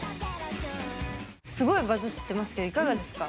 すごいバズってますけどいかがですか？